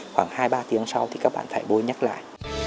khoảng hai ba tiếng sau thì các bạn phải bôi nhắc lại